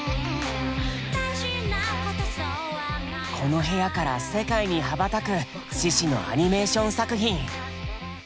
この部屋から世界に羽ばたくシシのアニメーション作品。